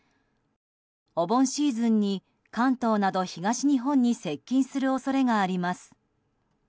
お盆シーズンに関東など東日本に接近する恐れがあります。